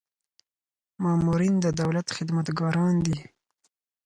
مامورین د دولت خدمتګاران دي